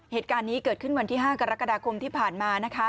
เหตุการณ์นี้เกิดขึ้นวันที่๕กรกฎาคมที่ผ่านมานะคะ